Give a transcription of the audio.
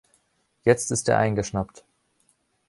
Jetzt ist er eingeschnappt.